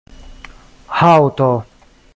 haŭto